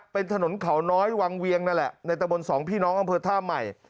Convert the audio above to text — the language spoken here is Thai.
เป็นถนนเขาน้อยวังเวียงนั่นแหละในตะบนสองพี่น้องอำเภอท่าใหม่